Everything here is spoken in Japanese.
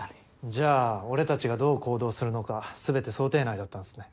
じゃあ俺たちがどう行動するのか全て想定内だったんですね。